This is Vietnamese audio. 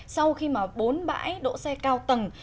sau khi mà bốn bãi đỗ xe cao tầng